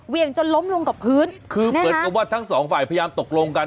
จนล้มลงกับพื้นคือเหมือนกับว่าทั้งสองฝ่ายพยายามตกลงกัน